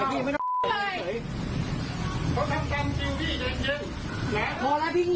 พี่อย่าชี้หน้าผมนะ